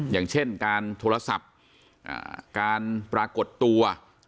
อย่างเช่นการโทรศัพท์การปรากฏตัว